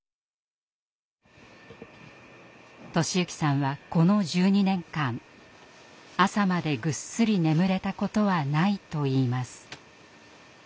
寿之さんはこの１２年間朝までぐっすり眠れたことはないといいます。